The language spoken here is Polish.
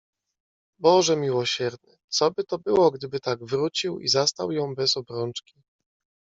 "Boże miłosierny, coby to było, gdyby tak wrócił i zastał ją bez obrączki!"